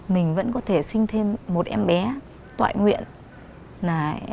mình vẫn có thể sinh thêm một em bé tọa nguyện